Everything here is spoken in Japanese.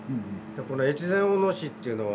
この越前大野市っていうのは